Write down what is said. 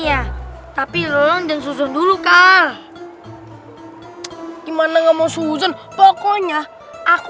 nanti kalau kita ketauan terus kita diomelin abis itu jokong waktu